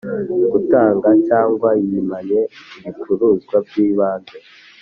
gutanga cyangwa yimanye ibicuruzwa by’ibanze.